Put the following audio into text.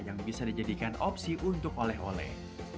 yang bisa dijadikan opsi untuk oleh oleh